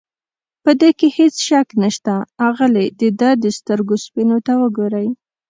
په دې کې هېڅ شک نشته، اغلې د ده د سترګو سپینو ته وګورئ.